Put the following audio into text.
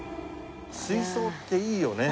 水槽っていいよね。